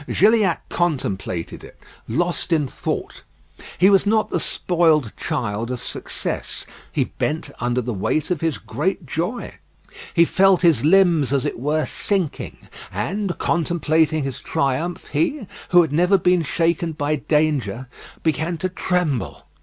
Gilliatt contemplated it, lost in thought. He was not the spoiled child of success. He bent under the weight of his great joy. He felt his limbs, as it were, sinking; and contemplating his triumph, he, who had never been shaken by danger, began to tremble.